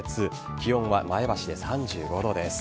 気温は、前橋で３５度です。